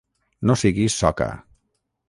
No siguis soca.